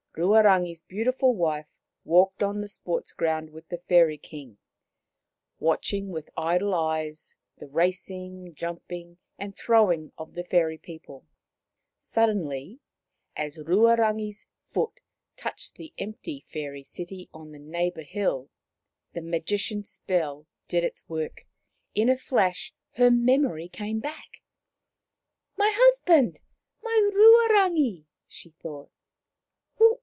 Ruarangi' s beautiful wife walked on the sports ground with the Fairy King, watching with idle eyes the racing, jumping and throwing of the fairy people. Suddenly, as Ruarangi' s foot touched the empty fairy city on the neighbour hill, the Magician's spell did its work. In a flash her memory came back. The Magician's Magic 75 " My husband ! My Ruarangi !" she thought.